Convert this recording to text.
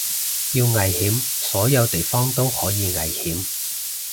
要危險所有地方都可以危險